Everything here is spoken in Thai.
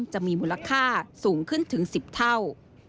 จะมีมูลค่าสูงขึ้นถึง๑๐เท่า